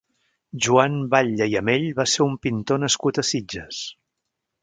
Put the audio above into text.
Joan Batlle i Amell va ser un pintor nascut a Sitges.